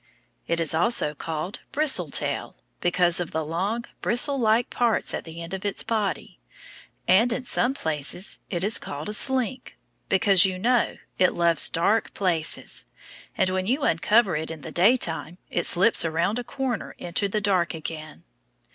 It is also called bristle tail, because of the long, bristle like parts at the end of its body; and in some places it is called a slink, because, you know, it loves dark places, and when you uncover it in the daytime, it slips around a corner into the dark again.